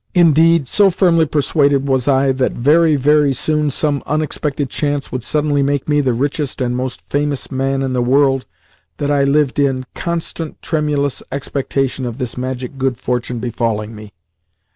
Indeed, so firmly persuaded was I that very, very soon some unexpected chance would suddenly make me the richest and most famous man in the world that I lived in constant, tremulous expectation of this magic good fortune befalling me.